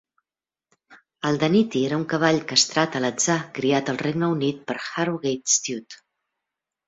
Aldaniti era un cavall castrat alatzà criat al Regne Unit per Harrowgate Stud.